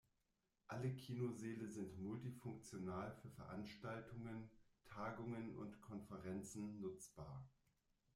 Alle Kinosäle sind multifunktional für Veranstaltungen, Tagungen und Konferenzen nutzbar.